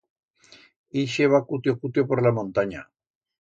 Ixe va cutio-cutio por la montanya.